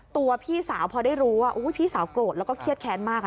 ตัวพี่สาวพอได้รู้ว่าพี่สาวโกรธแล้วก็เครียดแค้นมาก